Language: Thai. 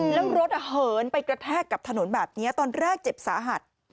แล้วรถเหินไปกระแทกกับถนนแบบนี้ตอนแรกเจ็บสาหัส